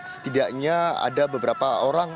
setidaknya ada beberapa orang